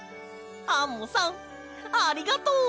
アンモさんありがとう！